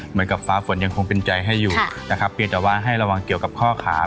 เหมือนกับฟ้าฝนยังคงเป็นใจให้อยู่ค่ะนะครับเปลี่ยนแต่ว่าให้ระวังเกี่ยวกับข้อขา